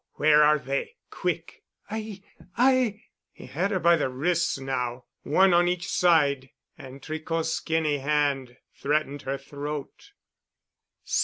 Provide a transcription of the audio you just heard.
Where are they? Quick." "I—I——" He had her by the wrists now, one on each side, and Tricot's skinny hand threatened her throat.